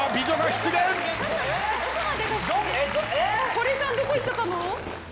鳥さんどこ行っちゃったの？